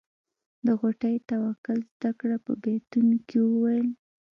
د غوټۍ توکل زده کړه په بیتونو کې وویل.